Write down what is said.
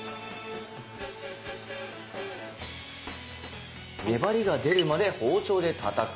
材料はねばりが出るまで包丁でたたく。